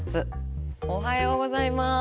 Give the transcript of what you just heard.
おはようございます。